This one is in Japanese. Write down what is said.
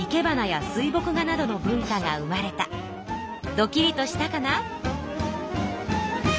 ドキリとしたかな？